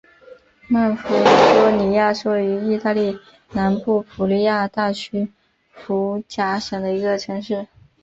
曼弗雷多尼亚是位于义大利南部普利亚大区福贾省的一个城市。